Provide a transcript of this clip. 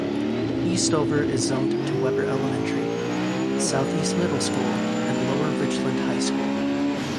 Eastover is zoned to Webber Elementary, Southeast Middle School, and Lower Richland High School.